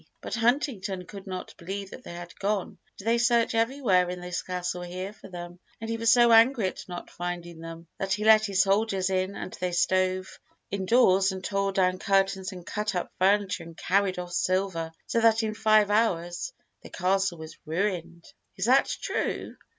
But Huntington could not believe that they had gone, and they searched everywhere in the castle here for them, and he was so angry at not finding them, that he let his soldiers in and they stove in doors and tore down curtains and cut up furniture and carried off silver, so that in five hours the castle was ruined." "Is that true?"